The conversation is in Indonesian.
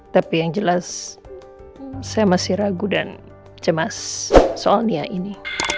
tapi yang jelas saya masih ragu dan cemas soal nia ini